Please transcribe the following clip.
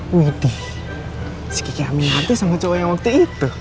wih dih si kiki amin hati sama cowo yang waktu itu